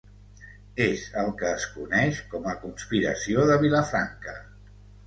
És el que es coneix com a Conspiració de Vilafranca.